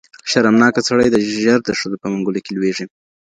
شرمناک سړی ژر د ښځو په منګولو کي لویږي.